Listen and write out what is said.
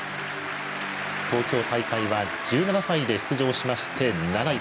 東京大会は１７歳で出場しまして、７位。